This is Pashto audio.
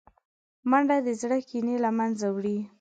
منډه د زړه کینې له منځه وړي